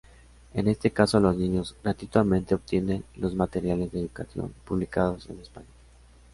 En este caso los niños gratuitamente obtienen los materiales de education, publicados en España.